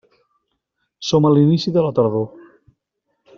Som a l'inici de la tardor.